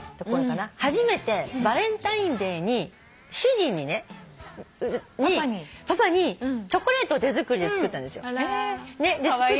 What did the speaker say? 初めてバレンタインデーに主人にねパパにチョコレートを手作りで作ったんですよ。カワイイね。